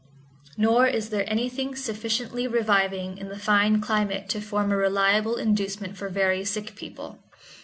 Nor is there anything sufficiently reviving in the fine climate to form a reliable inducement for very sick people.